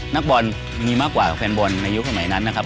นักบอลมีมากกว่าแฟนบอลในยุคสมัยนั้นนะครับ